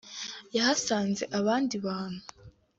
yahasanze abandi bantu